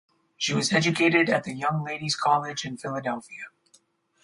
She was educated at the Young Ladies College in Philadelphia.